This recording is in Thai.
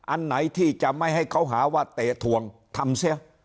อันไหนที่จะไม่ให้เขาหาว่าเตะถวงทำเสีย